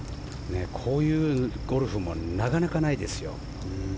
こういうゴルフもなかなかないですよ。